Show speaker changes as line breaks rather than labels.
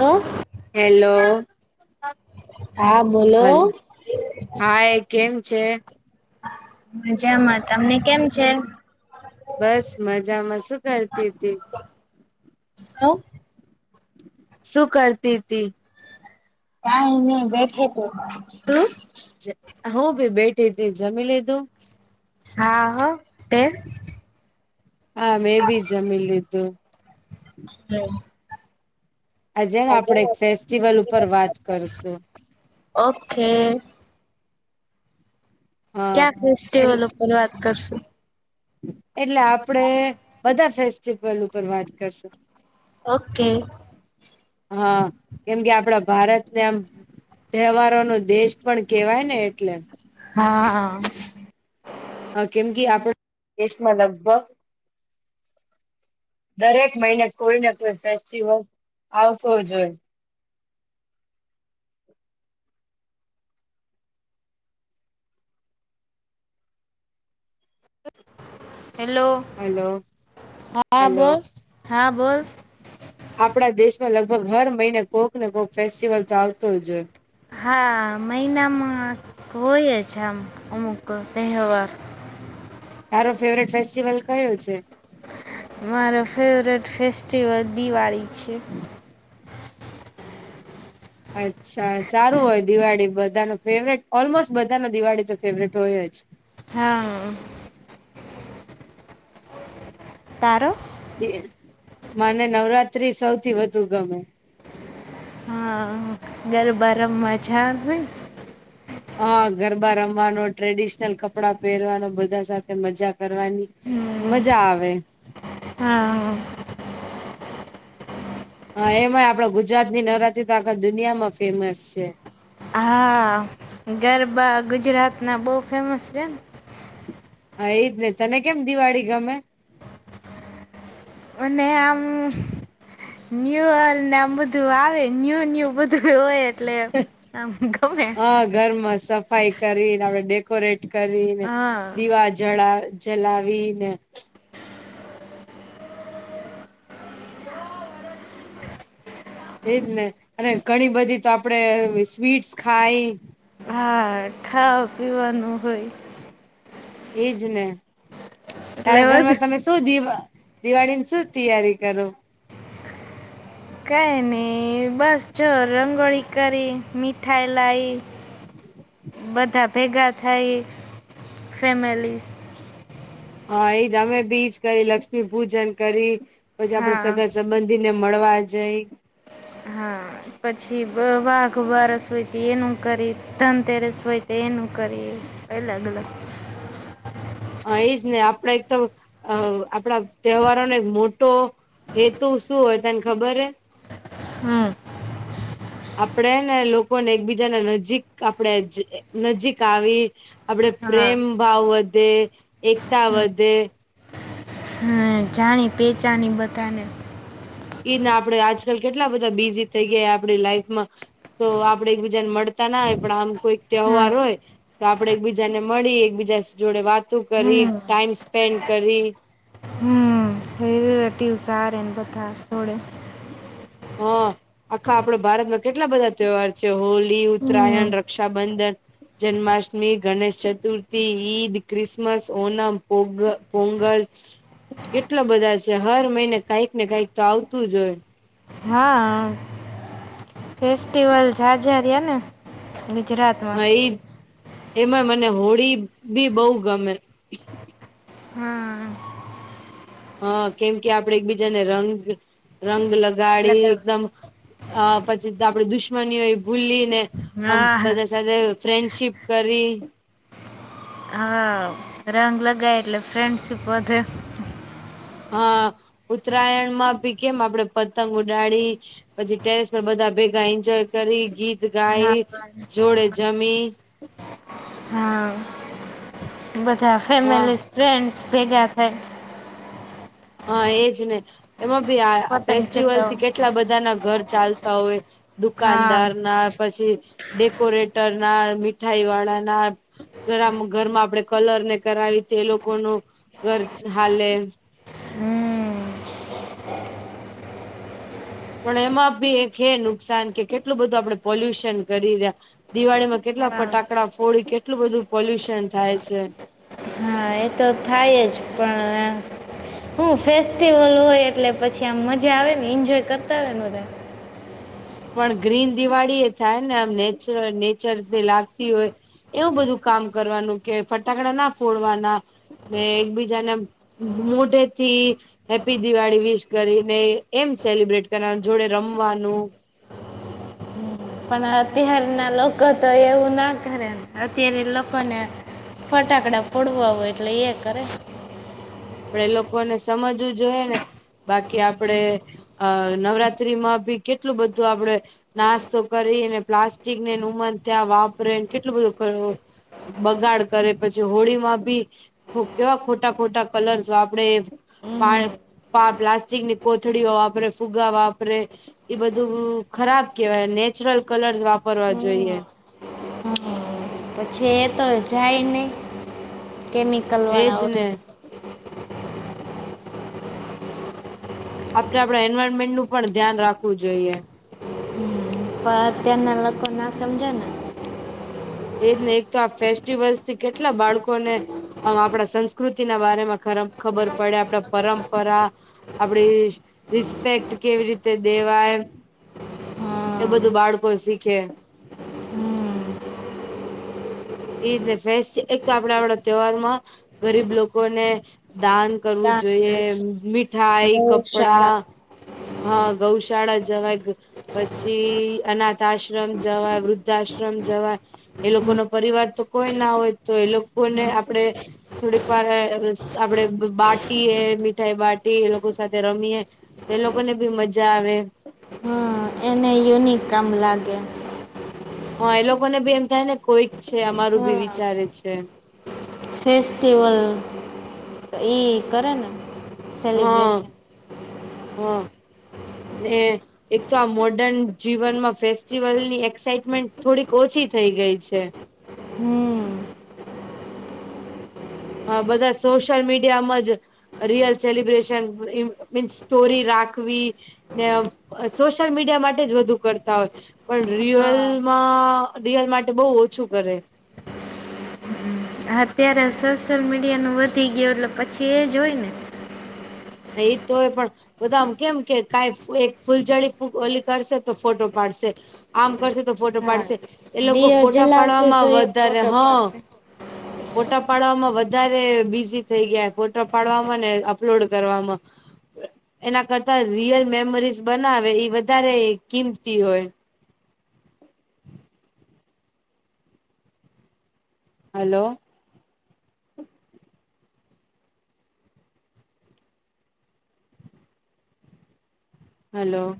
હું.
હેલો
હા
હ
બોલો.
હા એ કેમ છે?
મજામાં તમને કેમ છે?
બસ મજામાં શું કરતી તી?
શું?
શું કરતી તી?
કાઈ નહીં બેઠીતી તું?
છે હું ભી બેઠી તી જમી લીધું?
હા, હા, તે?
હા મેં ભી જ જમી લીધું, આજે ને આપણે એક ફેસ્ટિવલ ઉપર વાત કરશું
[unintelligible] ઓકે,
હા
ક્યાં
એટ
ફેસ્ટિવલ ઉપર વાત કરશું?
એટલે આપડે બધા ફેસ્ટિવલ ઉપર વાત કરશું.
ઓકે,
હા. કેમ કે, આપડા ભારતને આમ તહેવારોનો દેશ પણ કહેવાયને એટલે,
હા, હા.
હા કેમ કે, આપણા દેશમાં લગભગ દરેક મહિને કોઈને કોઈ ફેસ્ટિવલ આવતો જ હોય.
હેલો,
હાલો,
હા બોલ
હલો.
હા બોલ.
આપણા દેશમાં લગભગ હર મહિને કોકને કોક ફેસ્ટિવલ તો આવતો જ હોય.
હા મહિનામાં હોય જ છે, આમ અમુક તહેવાર.
તારો ફેવરેટ ફેસ્ટિવલ કયો છે?
મારો ફેવરિટ ફેસ્ટિવલ દિવાળી છે.
અચ્છા સારું હોય દિવાળી બધા નું ફેવરેટ ઓલમોસ્ટ બધા નો દિવાળી તો ફેવરિટ હોય જ.
હા તારો.
મને નવરાત્રી સૌથી વધુ ગમે,
હા ગરબા રમવા જાવાનું હોય.
હા ગરબા રમવાનો ટ્રેડિશનલ કપડાં પેરવાનો બધા સાથે મજા કરવાની.
હમ
મજા આવે.
હા..
[inaudible] એમાંય આપણા ગુજરાતની નવરાત્રી તો આખા દુનિયામાં ફેમસ છે.
હા ગરબા ગુજરાતના બઉ ફેમસ છે.
હ એ જ ને તને કેમ દિવાળી ગમે?
મને આમ ન્યુ યરને આમ બધું આવે ન્યુ ન્યુ બધું હોય એટલે આમ ગમે.
આ ઘરમાં સફ સફાઈ કરવીને આપડે ડેકોરેટ કરીને
હા
દીવા જળા જલાવીને
[inaudible]
એ જ ને અને ઘણી બધી તો આપડે સ્વીટ્સ ખાઈ
હા ખાવા પીવાનું હોય.
એ જ ને
એટલે
તારા
વધુ
ઘરમાં તમે શું દિવ દિવાળીની શું તૈયારી કરો?
કઈ ની બસ જો રંગોળી કરી મીઠાઈ લાઈ બધા ભેગા થાય ફૅમિલીસ
હ એ જ અમે બી ઈ જ કરી લક્ષ્મી પૂજન કરી પછી આપડે
હા
સગા સ બંધી ને મળવા જઈ.
હા પછી વ વાઘ બારસ હોય એનું કરી ધનતેરસ હોય તો એનું કરી અલગ અલગ
અ એ જ ને આપડે એક તો અ આપડા તહેવારોને મોટો હેતું શું હોય તને ખબર હે?
હમ
આપડે હેને લોકોને એકબીજાને નજીક આપડે નજીક આવી. આપડે
હા
પ્રેમ ભાવ વધે એકતા વધે
હમ જાણી પેચાણી બધાને
એના આપડે આજકાલ કેટલા બધા બિઝી થઈ ગયા આપડી લાઈફમાં તો આપડે એકબીજાને મળતા ના હોય પણ આમ કોઈ
હા
તહેવાર હોય. તો આપડે એકબીજાને મળી એકબીજા જોડે વાતો કરી
હમ
ટાઈમ સ્પેન્ડ કરી.
હમ તેવું સારિ ને બધાં જોડે
હ આખા આપડા ભારતમાં કેટલા બધા ત્યોહાર છે હોલી ઉત્તરાયણ
હમ
રક્ષાબંધન જન્માષ્ટમી, ગણેશ ચતુર્થી, ઈદ, ક્રિસમસ, ઓનમ, પોગ પોંગલ કેટલા બધા છે હર મહિને કઈક ને કઈક તો આવતું જ હોય.
હા ફેસ્ટિવલ ઝાઝા રિયા ને ગુજરાત
હા ઈ જ એમાં મને હોળી બી બહુ ગમે.
હા
હ કેમ કે આપડે એકબીજાને રંગ રંગ લગાડી એકદમ
લગાવી
અ પછી તો આપડે દુશ્મની હોય એ ભૂલીને આમ
હા
બધા સાથે ફ્રેન્ડશીપ કરી
હા રંગ લગાય એટલે ફ્રેન્ડશીપ વધે.
હા ઉત્તરાયણમાં ભી કેમ આપડે પતંગ ઉડાડી પછી ટેરેસ પર બધા ભેગા એન્જોય કરી ગીત ગાઈ
હા
જોડે જમી.
હા બધા
હા
ફેમલી ફ્રેન્ડસ ભેગા થાય
હા એજ ને એમાં ભી આ
પતંગ ચગાવ
ફેસ્ટિવલથી કેટલા બ ધા ના ઘર ચાલતા હોય
હા
દુકાનદાર ના પછી ડેકોરેટર ના મીઠાઈ વાળા ના ઘર માં આપડે કલર ને કરાવી તો એ લોકોનું ઘર ચ હાલે
હમ
પણ એમાં ભી એક હે નુકસાન કે કેટલું બધું આપડે પોલ્યુશન કરી રયા. દિવાળી માં કેટલા
હા
ફટાકડા ફોડી કેટલું બધું પોલ્યુશન થાય છે.
એતો થાય જ પણ હું ફેસ્ટિવલ હોય એટલે પછી આમ મજા આવેને એન્જોય કરતા હોય બધાયે.
પણ ગ્રીન દિવાળી એ થાય ને આમ નેચર નેચરથી લાગતી હોય એવું બધું કામ કરવાનું કે ફટાકડા ના ફોડવાના ને એકબીજાને મોઢેથી હેપ્પી દિવાળી વિશ કરીને એમ સેલિબ્રેટ કરવાનું જોડે રમવાનું [inaudible]
પણ અત્યાર ના લોકો તો એવું ના કરે અત્યારે લોકોને ફટાકડા ફોડવા હોય એટલે એ કરે.
આપડે એ લોકોને સમજવું જોઈએ ને બાકી આપડે અ નવરાત્રી માં બી કેટલું બધું આપડે નાસ્તો કરીને પ્લાસ્ટિક ને ઉમન ત્યાં વાપરે કેટલું બધું કર બગાડ કરે પછી હોળી માં ભી કેવા ખોટા ખોટા કલર જ આપડે
હમ
પાણી પા પ્લાસ્ટિક ની કોથળીઓ વાપરે ફુગા વાપરે એ બધું ખરાબ કેવાય નેચરલ કલર્સ વાપરવા જોઈએ.
હમ પછી એ તો જાય નહી કેમિકલ
એજ
વાળા હોય.
ને આપડે એન્વાયરમેન્ટ નું પણ ધ્યાન રાખવું જોઈએ.
પણ અત્યારના લોકો ના સમજે ને.
એજ ને એક તો આ ફેસ્ટિવલ થી કેટલા બાળકોને આમ આપણા સંસ્કૃતિ ના બારામાં ખરબ ખબર પડે આપડા પરંપરા આપડી રિસ્પેક્ટ કેવી રીતે દેવાય એવું બધું
હા
બાળકો શીખે.
હમ
ઈજ ને ફેસ એક તો આપડા વાડા તહેવાર માં ગરીબ લોકોને દાન કરવું
દાન કરે
જોઈએ
છે
મીઠાઈ
ગૌશાળા
કપડાં હા ગૌશાળા જવાયગ. પછી અનાથ આશ્રમ જવાય વૃદ્ધાશ્રમ જવાય એ લોકો નો પરિવાર તો કોઈ ના હોય તો એ લોકોને આપડે થોડીક વાર આપડે બાટીએ મીઠાઈ બાટી એ લોકો સાથે રમીએ તે લોકો ને બી મજા આવે.
યુનીક કામ લાગે.
હા એ લોકોને બી એમ થાય ને કોઈક છે અમારું
હા
ભી વિચારે છે એમ.
ફેસ્ટિવલ ઈ કરેને.
હા હા ને. એક તો આ મોર્ડર્ન જીવનમાં ફેસ્ટિવલની એક્સાઈટમેન્ટ થોડીક ઓછી થઈ ગઈ છે.
હમ.
હા બધા સોશિયલ મીડિયામાં જ રિયલ સેલિબ્રેશન મીન્સ સ્ટોરી રાખવી ને આમ સોશિયલ મીડિયા માટે જ વધુ કરતા હોય. પણ
હા
રિયલમાં રિયલ માટે બહુ ઓછું કરે.
અત્યારે સોશિયલ મીડિયા નું વધી ગયું એટલે પછી એ જ હોય ને.
એજ તો હોય પણ બધા આમ કેમ કે કાએ એક ફૂલઝડી ઓલી કરશે તો ફોટો પાડશે આમ કરશે તો ફોટો
હા
પાડશે એ લોકો
દીયો
ફોટા
જલાવશે
પાડવામાં
તો એ
વધારે
ફોટો
હા
પડશે
ફોટા પાડવામાં વધારે બીઝી થઈ ગયા ફોટા પાડવાવામાં ને અપલોડ કરવામાં એના કરતા રિયલ મેમરીઝ બનાવે ઈ વધારે કિંમતી હોય. હલો. હલો.